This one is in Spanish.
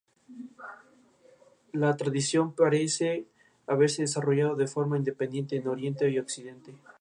La tradición parece haberse desarrollado de forma independiente en Oriente y Occidente.